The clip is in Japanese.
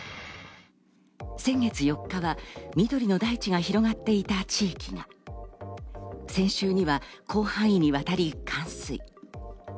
先月４日は緑の大地が広がっていた地域が、先週には広範囲にわたり冠水。